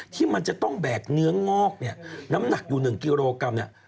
ที่มันจะต้องแบกเนื้องอกน้ำหนักอยู่๑กิโลกรัม